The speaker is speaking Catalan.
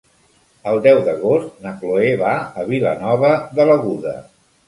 El deu d'agost na Chloé va a Vilanova de l'Aguda.